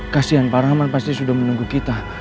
kasian pak rahman pasti sudah menunggu kita